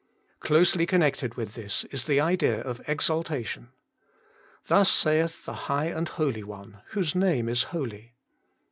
Closely connected with this is the idea of Exalta tion :' Thus saith the High and Holy One, whose name is Holy.'